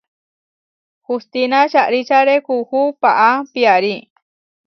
Hustína čaríčare kuú paá piarí.